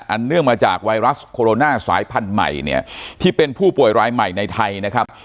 เนื่องมาจากไวรัสโคโรนาสายพันธุ์ใหม่เนี่ยที่เป็นผู้ป่วยรายใหม่ในไทยนะครับ